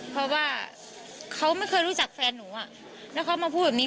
เพราะว่าเขาไม่เคยรู้จักแฟนหนูอ่ะแล้วเขามาพูดแบบนี้